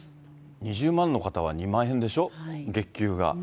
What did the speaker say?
２０万の方は２万円でしょ、月給が。